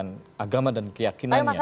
menjalankan agama dan keyakinannya